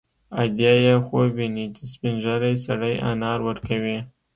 ادې یې خوب ویني چې سپین ږیری سړی انار ورکوي